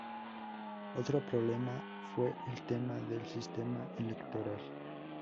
Otro problema fue el tema del Sistema Electoral.